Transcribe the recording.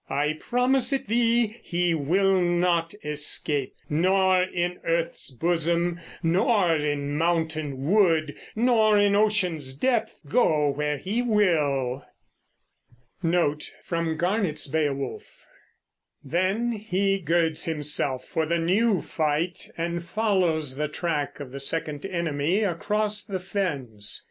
I promise it thee: he will not escape, Nor in earth's bosom, nor in mountain wood, Nor in ocean's depths, go where he will. Then he girds himself for the new fight and follows the track of the second enemy across the fens.